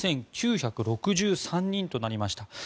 ３万１９６３人となりました。